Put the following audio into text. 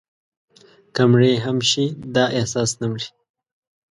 که مړي هم شي، دا احساس نه مري»